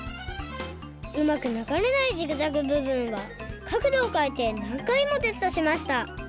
うまく流れないジグザグ部分はかくどをかえてなんかいもテストしました